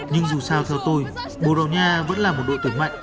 nhưng dù sao theo tôi borogna vẫn là một đội tuyển mạnh